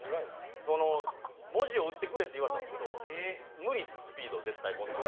文字を打ってくれって言われたんですけど、無理です、スピード、これ。